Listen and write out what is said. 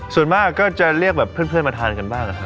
ส่วนมากก็จะเรียกแบบเพื่อนมาทานกันบ้างนะครับ